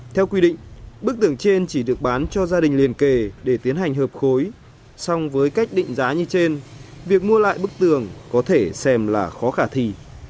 theo quy định bức tường trên chỉ được bán cho gia đình liên kề để tiến hành hợp khối song với cách định giá như trên việc mua lại bức tường có thể xem là khó khả thi